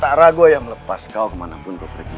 tak ragu ayah melepas kau kemanapun kau pergi